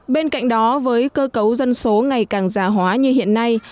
bên cạnh đó với cơ cấu dân số ngày càng già hóa như hiện nay